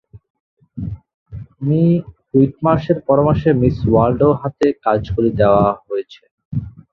Me হুইটমার্শের পরামর্শে miss ওয়াল্ডোর হাতে কাজগুলি দেওয়া হয়েছে।